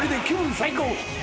最高。